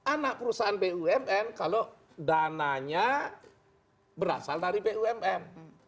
anak perusahaan bumn kalau dananya berasal dari bumn